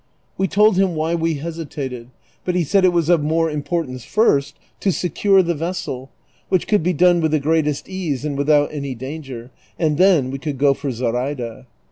We told him why we hesitated, but he said it was of more importance first to secure the vessel, which could be done with the greatest ease and without any danger, and then we could go for Zoraida.